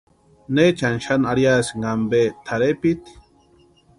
¿Neechani xani arhiasïni ampe tʼarhepiti?